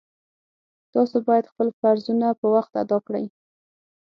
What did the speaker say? تاسو باید خپل فرضونه په وخت ادا کړئ